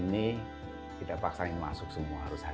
jadi kita bisa lihat di sini ada apa apa tempat yang bisa kita paksain